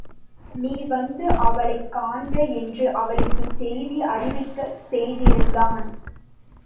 நீ வந்து அவளைக் காண்க என்று அவளுக்குச் செய்தி அறிவிக்கச் செய்திருந்தான்.